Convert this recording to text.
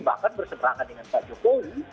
bahkan berseberangan dengan pak jokowi